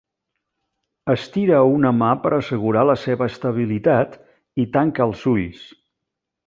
Estira una mà per assegurar la seva estabilitat i tanca els ulls.